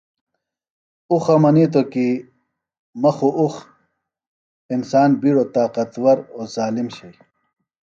اُخہ منیتوۡ کیۡ ”مہ خوۡ اُخ“ انسان بیڈوۡ طاقتور اوۡ ظالم شئی